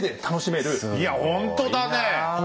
いやほんとだねえ。